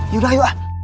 yaudah yuk ah